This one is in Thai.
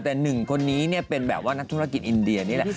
แต่หนึ่งคนนี้เนี่ยเป็นแบบว่านักธุรกิจอินเดียนี่แหละ